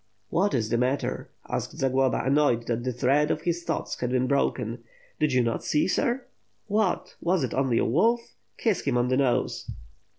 '^hat is the matter?*' asked Zagloba, annoyed that the thread of his thoughts had been broken. "Did you not see, sir?" "What? Was it only a wolf! Kiss him on the nose."